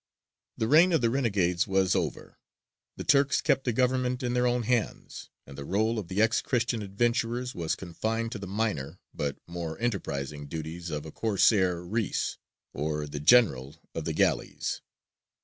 The reign of the renegades was over; the Turks kept the government in their own hands, and the rôle of the ex Christian adventurers was confined to the minor but more enterprising duties of a Corsair reïs or the "general of the galleys."